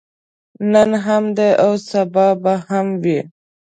نن هم دی او سبا به هم وي.